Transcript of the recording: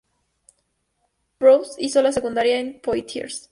J. Proust, hizo la secundaria en Poitiers.